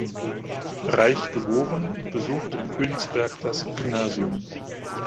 Reich" geboren und besuchte in Königsberg das Gymnasium.